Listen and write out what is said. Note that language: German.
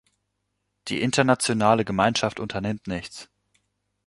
Die internationale Gemeinschaft unternimmt nichts.